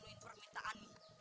apa yang celaka ruslan